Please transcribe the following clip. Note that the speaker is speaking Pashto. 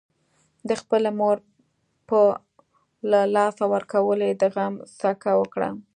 د خپلې مور په له لاسه ورکولو يې د غم څکه وکړه.